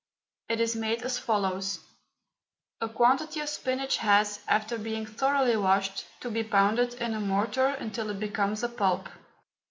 It is made as follows: A quantity of spinach has, after being thoroughly washed, to be pounded in a mortar until it becomes a pulp.